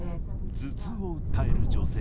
頭痛を訴える女性。